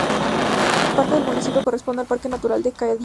Parte del municipio corresponde al Parque Natural del Cadí-Moixeró.